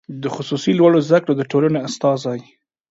د خصوصي لوړو زده کړو د ټولنې استازی